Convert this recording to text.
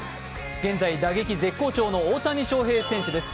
現在、打撃絶好調の大谷翔平選手です。